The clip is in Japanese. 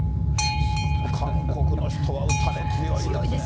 韓国の人は打たれ強いですね。